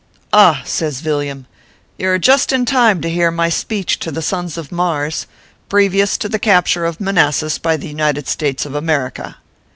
a Ah !" says Villiam, " You are just in time to hear my speech to the sons of Mars, previous to the capture of Manassas by the United States of America."